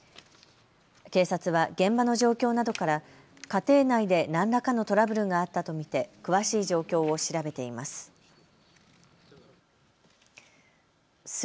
警察は現場の状況などから家庭内で何らかのトラブルがあったと見て詳しい状況を調べています。